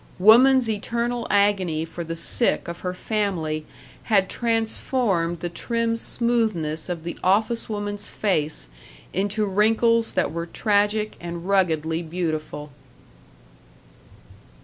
Woman's eternal agony for the sick of her family had transformed the trim smoothness of the office woman's face into wrinkles that were tragic and ruggedly beautiful.